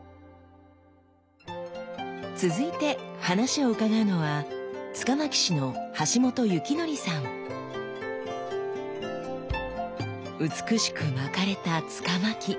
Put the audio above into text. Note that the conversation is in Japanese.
続いて話を伺うのは美しく巻かれた柄巻。